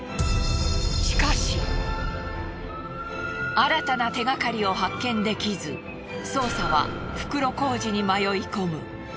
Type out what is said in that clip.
新たな手がかりを発見できず捜査は袋小路に迷い込む。